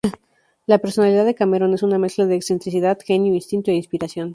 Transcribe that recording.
La personalidad de Cameron es una mezcla de excentricidad, genio, instinto e inspiración.